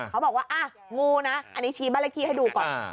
เขาบอกว่างูนะอันนี้ชี้บ้านเลขที่ให้ดูก่อน